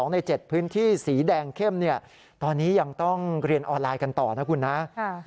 ใน๗พื้นที่สีแดงเข้มตอนนี้ยังต้องเรียนออนไลน์กันต่อนะคุณนะ